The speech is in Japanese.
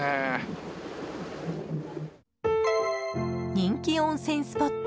人気温泉スポット